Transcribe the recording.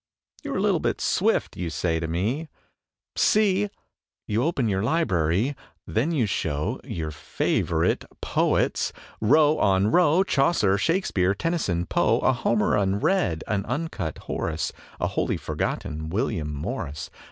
"You're a little bit swift," you say to me, "See!" You open your library. There you show Your "favorite poets," row on row, Chaucer, Shakespeare, Tennyson, Poe, A Homer unread, an uncut Horace, A wholly forgotten William Morris.